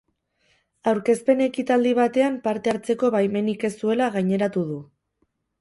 Aurkezpen ekitaldi batean parte hartzeko baimenik ez zuela gaineratu du.